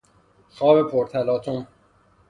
خواب پر تلاطم